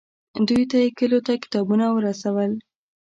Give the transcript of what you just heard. دوی ته یې کلیو ته کتابونه ورسول.